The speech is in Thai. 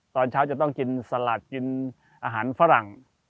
ตอนเช้าจะต้องกินสลัดกินอาหารฝรั่ง